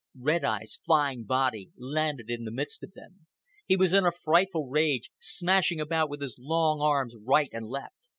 Red Eye's flying body landed in the midst of them. He was in a frightful rage, smashing about with his long arms right and left.